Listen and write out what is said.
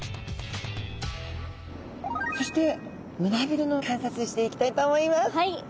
そして胸びれの観察していきたいと思います。